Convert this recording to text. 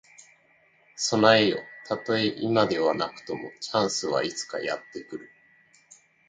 備えよ。たとえ今ではなくとも、チャンスはいつかやって来る。